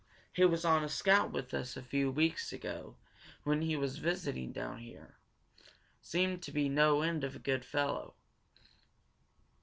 He was on a scout with us a few weeks ago, when he was visiting down here. Seemed to be no end of a good fellow."